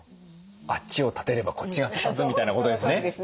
あっちを立てればこっちが立たずみたいなことですね。